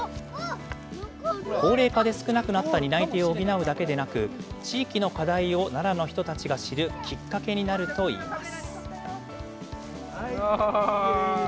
高齢化で少なくなった担い手を補うだけでなく、地域の課題を奈良の人たちが知るきっかけになるといいます。